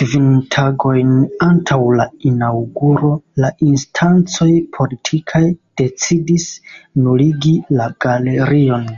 Kvin tagojn antaŭ la inaŭguro la instancoj politikaj decidis nuligi la galerion.